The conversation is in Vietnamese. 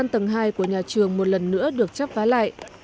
tầng hai của nhà trường một lần nữa được chắp vá lại